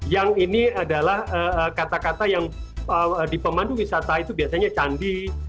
yang ini adalah kata kata yang di pemandu wisata itu biasanya candi